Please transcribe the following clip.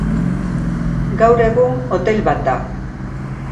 Gaur egun hotel bat da.